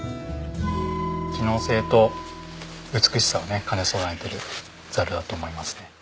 機能性と美しさを兼ね備えているざるだと思いますね。